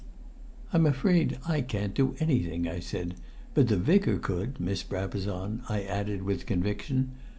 "I'm afraid I can't do anything," I said. "But the Vicar could, Miss Brabazon!" I added with conviction.